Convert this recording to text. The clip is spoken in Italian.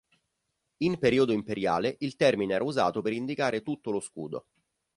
In periodo imperiale il termine era usato per indicare tutto lo scudo.